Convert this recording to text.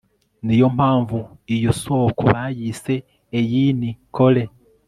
ni yo mpamvu iyo soko bayise eyini kore